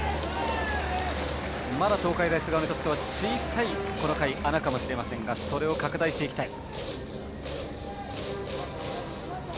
まだ東海大菅生にとってはこの回小さい穴かもしれませんがそれを拡大していきたい。